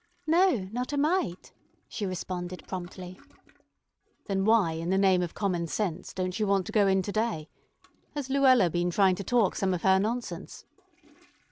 "No, not a mite," she responded promptly. "Then why in the name of common sense don't you want to go in to day? Has Luella been trying to talk some of her nonsense?"